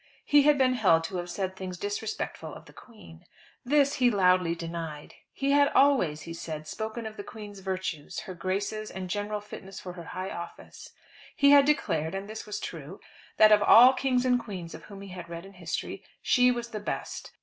He had been held to have said things disrespectful of the Queen. This he loudly denied. He had always, he said, spoken of the Queen's virtues, her graces, and general fitness for her high office. He had declared, and this was true, that of all kings and queens of whom he had read in history she was the best.